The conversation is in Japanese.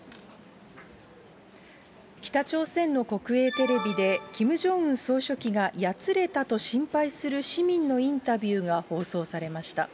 北朝鮮の国営テレビで、キム・ジョンウン総書記がやつれたと心配する市民のインタビューが放送されました。